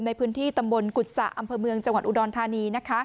ในพื้นที่ตำบลกุศะอำเภอเมืองจังหวัดอุดรธานี